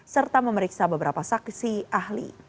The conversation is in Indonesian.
serta memeriksa beberapa saksi ahli